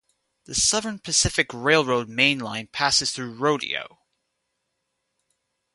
The Southern Pacific Railroad main line passes through Rodeo.